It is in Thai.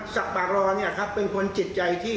สักปากรอเนี่ยครับเป็นคนจิตใจที่